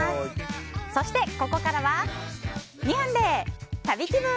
そしてここからは２分で旅気分！